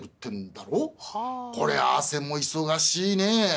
こりゃアセも忙しいね。